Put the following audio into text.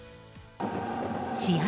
試合